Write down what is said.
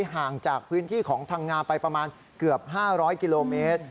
ห่างจากพื้นที่ของพังงาไปประมาณเกือบ๕๐๐กิโลเมตร